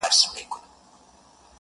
• په خپلو اوښکو؛